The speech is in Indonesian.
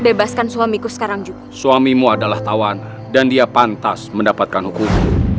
bebaskan suamiku sekarang suamimu adalah tawan dan dia pantas mendapatkan hukum